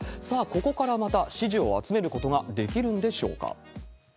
さあ、ここからまた支持を集めることができるんでしょうか。